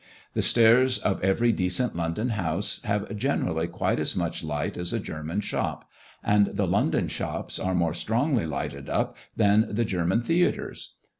The stairs of every decent London house, have generally quite as much light as a German shop, and the London shops are more strongly lighted up than the German theatres.